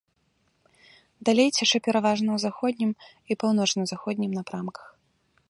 Далей цячэ пераважна ў заходнім і паўночна-заходнім напрамках.